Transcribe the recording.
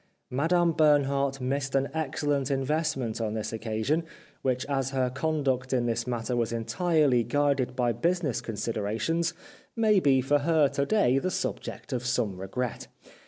Madame Bern hardt missed an excellent investment on this occasion, which as her conduct in this matter was entirely guided by business considerations may be for her to day the subject of some regret.